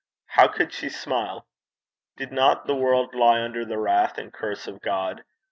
How could she smile? Did not the world lie under the wrath and curse of God?